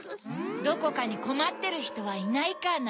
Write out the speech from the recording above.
どこかにこまってるひとはいないかな？